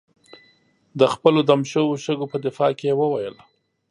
د خپلو دم شوو شګو په دفاع کې یې وویل.